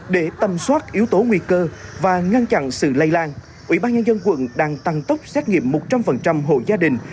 để tâm soát yếu tố nguy cơ và ngăn chặn sự lây lan ủy ban nhân dân quận đang tăng tốc xét nghiệm một trăm linh hộ gia đình